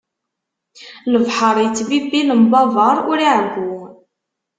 Lebḥeṛ ittbibbi lembabeṛ ur iɛeggu.